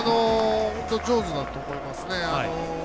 上手だと思いますね。